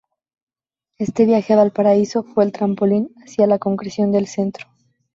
Este viaje a Valparaíso fue el trampolín hacia la concreción del centro.